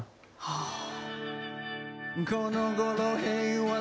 はあ。